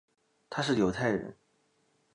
他是犹太人。